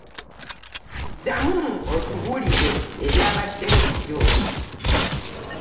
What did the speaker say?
Ddamu otunuulire ebyabaddewo jjo.